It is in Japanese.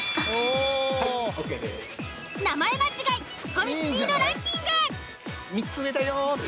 名前間違いツッコミスピードランキング。